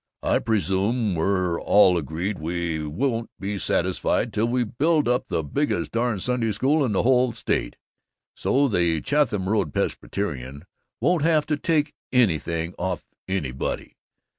I presume we're all agreed we won't be satisfied till we build up the biggest darn Sunday School in the whole state, so the Chatham Road Presbyterian won't have to take anything off anybody.